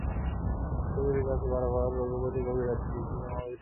সেই গুঁড়ির কাছ-বরাবর রঘুপতি গভীর রাত্রে ডুব দিলেন ও অদৃশ্য হইয়া গেলেন।